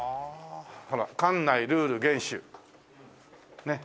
ほら「館内ルール厳守」ねっ。